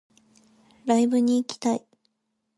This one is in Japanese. ライブに行きたい